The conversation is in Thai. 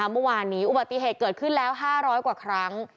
เมื่อวานนี้อุบัติเหตุเกิดขึ้นแล้ว๕๐๐กว่าครั้ง